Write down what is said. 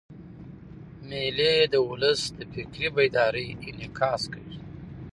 مېلې د اولس د فکري بیدارۍ انعکاس کوي.